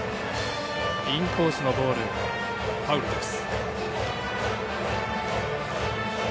インコースのボールファウルです。